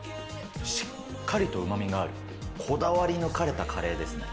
しっかりとうまみがある、こだわり抜かれたカレーですね。